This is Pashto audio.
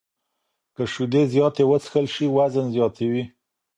که شیدې زیاتې وڅښل شي، وزن زیاتوي.